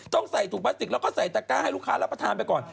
ต้องใส่ถุงพลาสติกแล้วก็ใส่ตะก้าให้ลูกค้ารับประทานไปก่อน